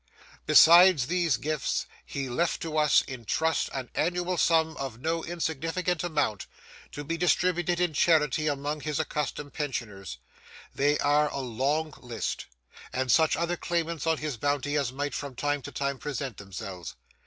Besides these gifts, he left to us, in trust, an annual sum of no insignificant amount, to be distributed in charity among his accustomed pensioners—they are a long list—and such other claimants on his bounty as might, from time to time, present themselves.